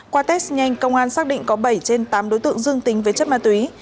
qua test nhanh công an xác định có bảy trên tám đối tượng dương tính với chất ma túy